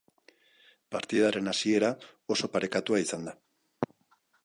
Partidaren hasiera oso parekatua izan da.